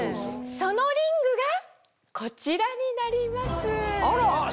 そのリングがこちらになります。